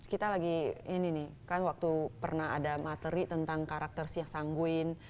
kita lagi ini nih kan waktu pernah ada materi tentang karakter sia sangguin